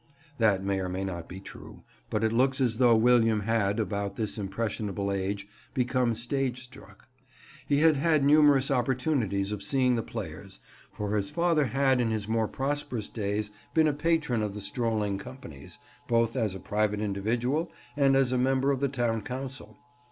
That may or may not be true, but it looks as though William had, about this impressionable age, become stage struck. He had had numerous opportunities of seeing the players, for his father had in his more prosperous days been a patron of the strolling companies, both as a private individual and as a member of the town council.